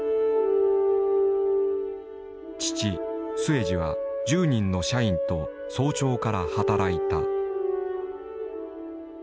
父・末次は１０人の社員と早朝から働いた。